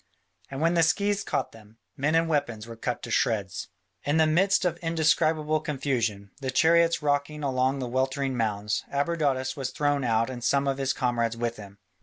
And where the scythes caught them, men and weapons were cut to shreds. In the midst of indescribable confusion, the chariots rocking among the weltering mounds, Abradatas was thrown out and some of his comrades with him.